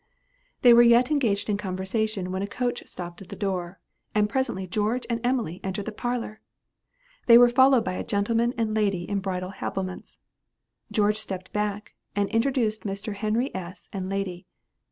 They were yet engaged in conversation, when a coach stopped at the door, and presently George and Emily entered the parlor! They were followed by a gentleman and lady in bridal habiliments. George stepped back, and introduced Mr. Henry S. and lady.